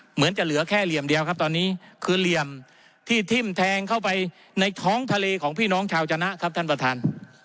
เหมือนจะเหลือแค่เหลี่ยมเดียวครับตอนนี้คือเหลี่ยมที่ทิ้มแทงเข้าไปในท้องทะเลของพี่น้องชาวจนะครับท่านประธาน